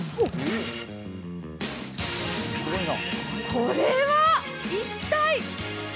これは一体？